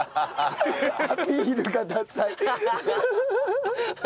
「アピールがダサい」。